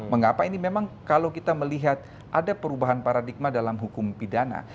mengapa ini memang kalau kita melihat ada perubahan paradigma dalam hukum pidana